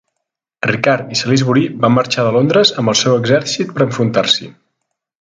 Ricard i Salisbury van marxar de Londres amb el seu exèrcit per enfrontar-s'hi.